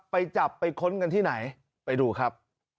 ไปจับไปค้นกันที่ไหนไปดูครับ